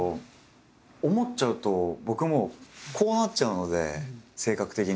思っちゃうと僕もうこうなっちゃうので性格的に。